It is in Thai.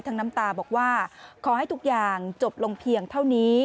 น้ำตาบอกว่าขอให้ทุกอย่างจบลงเพียงเท่านี้